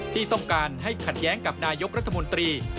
ที่ต้องการให้ขัดแย้งกับนายกรัฐมนตรี